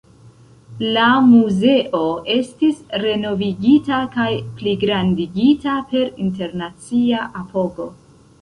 La muzeo estis renovigita kaj pligrandigita per internacia apogo.